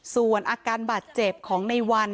ส่วนอาการบาดเจ็บของในวัน